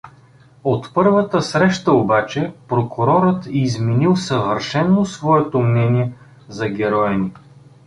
От първата среща обаче прокурорът изменил съвършено своето мнение за героя ни.